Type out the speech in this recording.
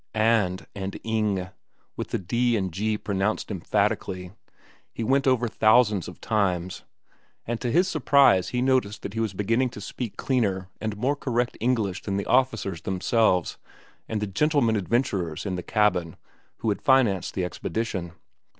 "And" and "ing," with the "d" and "g" pronounced emphatically, he went over thousands of times; and to his surprise he noticed that he was beginning to speak cleaner and more correct English than the officers themselves and the gentleman adventurers in the cabin who had financed the expedition.